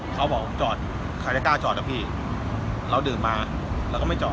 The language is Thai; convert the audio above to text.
เขาบอกการจะจอดนะพี่เราดื่มมาเราก็ไม่จอด